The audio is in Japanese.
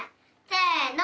せの！